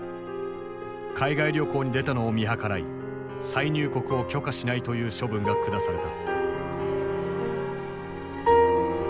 海外旅行に出たのを見計らい再入国を許可しないという処分が下された。